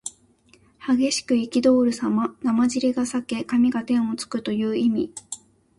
激しくいきどおるさま。まなじりが裂け髪が天をつくという意味。